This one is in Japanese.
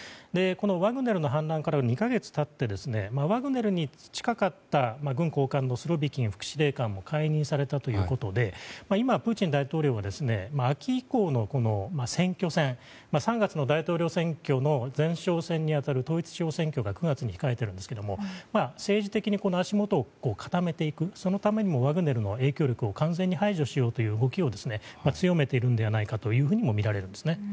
ワグネルの反乱から２か月経ってワグネルに近かった軍高官のスロビキン副司令官が解任されたということで今、プーチン大統領は秋以降の選挙戦３月の大統領選挙の前哨戦に当たる統一地方選挙が９月に控えているんですが政治的に足元を固めていくそのためにもワグネルの影響力を完全に排除しようという動きを強めているのではないかともみられているんですね。